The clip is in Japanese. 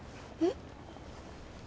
えっ？